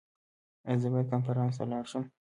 ایا زه باید کنفرانس ته لاړ شم؟